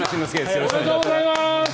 よろしくお願いします。